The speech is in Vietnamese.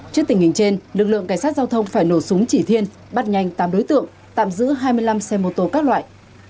trước tình hình trên lực lượng cảnh sát giao thông phải nổ súng chỉ thiên bắt nhanh tám đối tượng tạm giữ hai mươi năm xe mô tô các loại